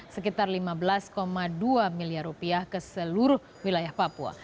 sekitar lima belas dua miliar rupiah ke seluruh wilayah papua